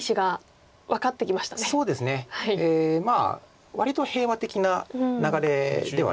割と平和的な流れではありますか。